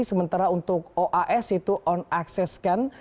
sementara untuk oas yaitu on access scan